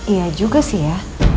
iya juga sih ya